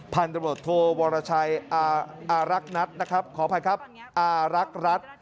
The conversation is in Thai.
พันธุบรรทโทวรชัยอารักนัทขออภัยครับอารักนัท